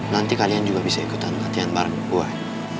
nanti kalian juga bisa ikutan latihan bareng